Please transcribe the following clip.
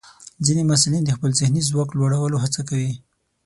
ځینې محصلین د خپل ذهني ځواک لوړولو هڅه کوي.